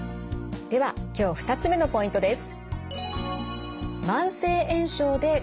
では今日２つ目のポイントです。